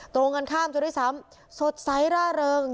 ตรงกันข้ามจนด้วยซ้ำสดใสร่าเริง